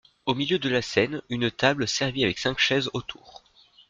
Au milieu de la scène, une table servie avec cinq chaises autour.